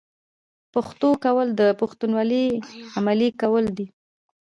پښتو کول د پښتونولۍ عملي کول دي.